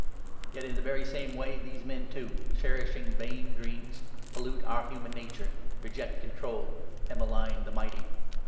Yet in the very same way these men, too, cherishing vain 8 dreams, pollute our human nature, reject control, and malign the Mighty.